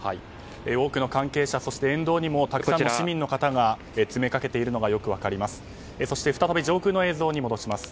多くの関係者、そして沿道にもたくさんの市民の方が詰めかけているのがよく分かります。